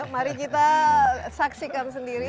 mari kita saksikan sendiri